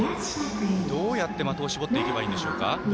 どうやって的を絞っていけばいいんでしょうか。